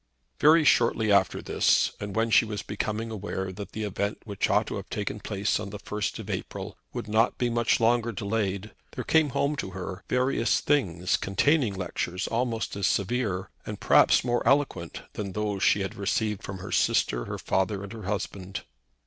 Very shortly after this, and when she was becoming aware that the event which ought to have taken place on the 1st of April would not be much longer delayed, there came home to her various things containing lectures almost as severe, and perhaps more eloquent than those she had received from her sister, her father, and her husband.